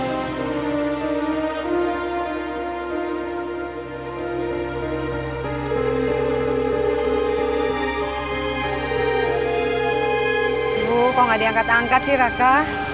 ibu kok gak diangkat angkat sih raka